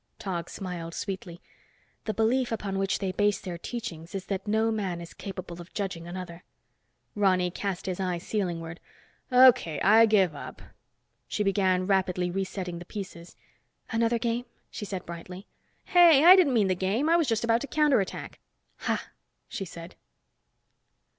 Tog smiled sweetly. "The belief upon which they base their teachings is that no man is capable of judging another." Ronny cast his eyes ceilingward. "O.K., I give up!" She began rapidly resetting the pieces. "Another game?" she said brightly. "Hey! I didn't mean the game! I was just about to counterattack." "Ha!" she said.